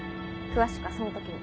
詳しくはその時に。